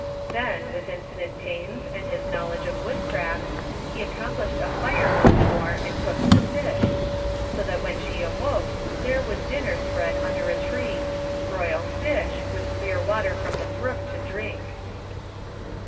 Then with infinite pains and his knowledge of woodcraft, he aoccHnplished a fire once more and cooked the fish, so 59 THE FINDING OF JASPER HOLT that when she awoke there was dinner spread under a tree — ^broiled fish, with clear water from the brook to drink.